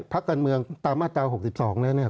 ภักดิ์การเมืองตามมาตรา๖๒แล้วนะครับ